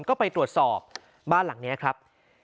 ก็ไปตรวจสอบบ้านหลังนี้ครับ